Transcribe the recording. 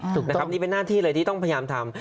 ถูกนะครับนี่เป็นหน้าที่เลยที่ต้องพยายามทำ